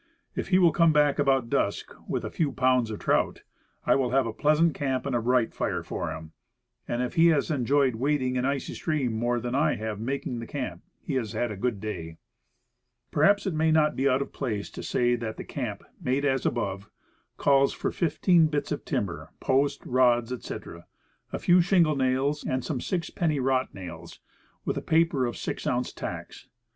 If he will come back about dusk with a few pounds of trout, I will have a pleasant camp and a bright fire for him. And if he has enjoyed wading an icy stream more than I have making the camp he has had a good day. Perhaps it may not be out of place to say that the camp, made as above, calls for fifteen bits of timber, posts, rods, etc., a few shingle nails, and some six penny wrought nails, with a paper of six ounce tacks.